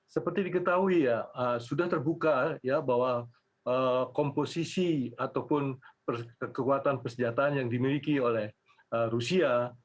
seperti diketahui ya sudah terbuka ya bahwa komposisi ataupun kekuatan persenjataan yang dimiliki oleh rusia